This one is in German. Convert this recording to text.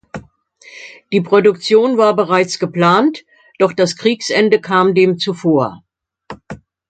Die Produktion war bereits geplant, doch das Kriegsende kam dem zuvor.